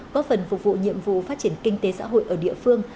có phần phục vụ nhiệm vụ phát triển kinh tế xã hội ở địa phương